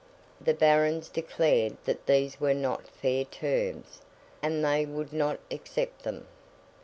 The Barons declared that these were not fair terms, and they would not accept them.